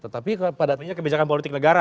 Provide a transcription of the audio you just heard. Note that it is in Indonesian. maksudnya kebijakan politik negara